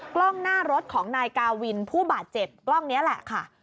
กล้องหน้ารถของนายกาวินผู้บาดเจ็บกล้องนี้แหละค่ะ